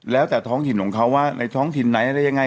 แล้วแต่ท้องถิ่นของเขาว่าในท้องถิ่นไหนอะไรยังไง